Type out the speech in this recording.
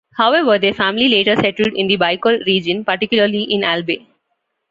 However, their family later settled in the Bicol region, particularly in Albay.